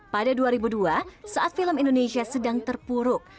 pada dua ribu dua saat film indonesia sedang terpuruk